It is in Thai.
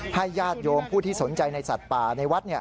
ญาติโยมผู้ที่สนใจในสัตว์ป่าในวัด